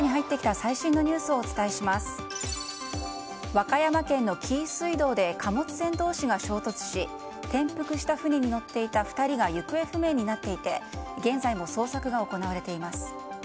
和歌山県の紀伊水道で貨物船同士が衝突し転覆した船に乗っていた２人が行方不明になっていて現在も捜索が行われています。